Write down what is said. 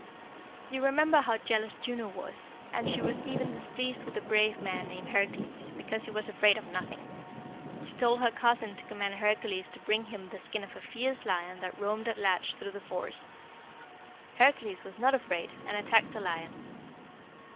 "You remember how jealous Juno was, and she was even displeased with a brave man named Hercules, because he was afraid of nothing. She told her cousin to command Hercules to bring him the skin of a fierce lion that roamed at large through the forests. Hercules was not afraid, and attacked the lion.